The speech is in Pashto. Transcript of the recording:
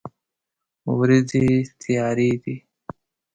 ورېځې تیارې دي